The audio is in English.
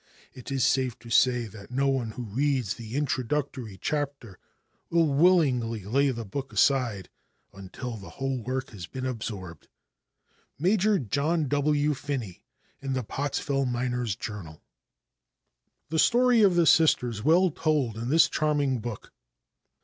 It is safe to say that no one who reads the introductory chapter will willingly lay the book aside until the whole work has been absorbed. Major John W. Finney, in the Pottsville Miners' Journal. "The Story of the Sisters Well Told in This Charming Book."